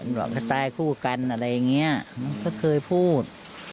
หลอกให้ตายคู่กันอะไรอย่างนี้มันก็เคยพูด